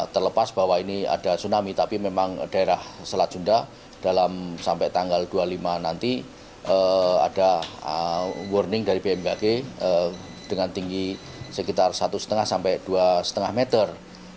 terlepas bahwa ini ada tsunami tapi memang daerah selat sunda dalam sampai tanggal dua puluh lima nanti ada warning dari bmkg dengan tinggi sekitar satu lima sampai dua lima meter